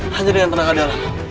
hanya dengan tenangkan dalam